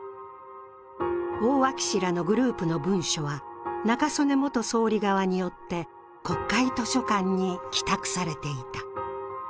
大脇氏らのグループの文書は中曽根元総理側によって国会図書館に寄託されていた。